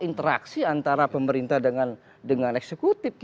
interaksi antara pemerintah dengan eksekutif